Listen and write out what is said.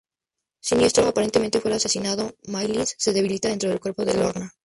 Siniestro aparentemente fuera asesinado, Malice se debilita dentro del cuerpo de Lorna.